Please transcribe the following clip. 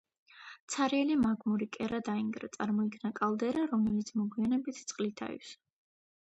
ცარიელი მაგმური კერა დაინგრა, წარმოიქმნა კალდერა, რომელიც მოგვიანებით წყლით აივსო.